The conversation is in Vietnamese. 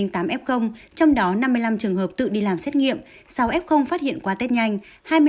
trong đó năm mươi năm trường hợp tự đi làm xét nghiệm sáu f phát hiện qua test nhanh